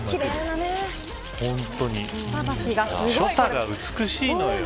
所作が美しいのよ。